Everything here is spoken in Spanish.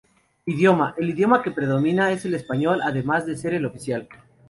Idioma: El idioma que predomina es el español, además de ser el oficial.